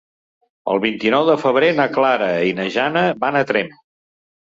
El vint-i-nou de febrer na Clara i na Jana van a Tremp.